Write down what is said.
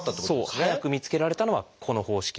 早く見つけられたのはこの方式。